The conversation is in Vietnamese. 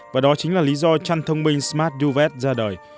và đó chính là lý do chăn thông minh smart duvet ra đời